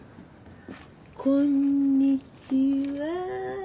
こんにちは。